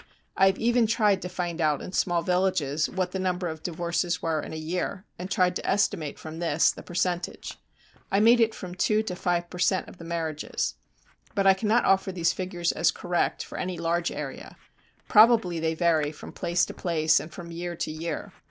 I have even tried to find out in small villages what the number of divorces were in a year, and tried to estimate from this the percentage. I made it from 2 to 5 per cent. of the marriages. But I cannot offer these figures as correct for any large area. Probably they vary from place to place and from year to year.